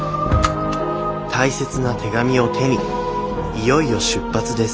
大切な手紙を手にいよいよ出発です！